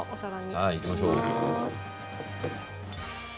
はいいきましょう。